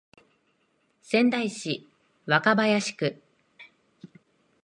仙台市若林区